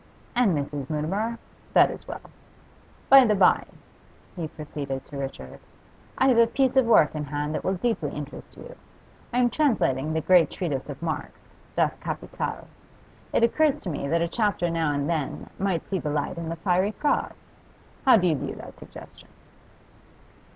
'And Mrs. Mutimer? That is well. By the by,' he proceeded to Richard, 'I have a piece of work in hand that will deeply interest you. I am translating the great treatise of Marx, "Das capital." It occurs to me that a chapter now and then might see the light in the "Fiery Cross." How do you view that suggestion?